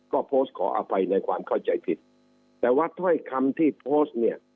ก็โพสต์ขออภัยในความเข้าใจผิดแต่วัดไทยคำที่โพสต์